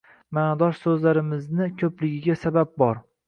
Ma’nodosh so‘zlarimizning ko‘pligiga sabab bor